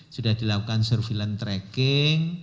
sudah dilakukan surveillance tracking